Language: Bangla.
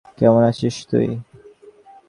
কেমন আছিস তুই?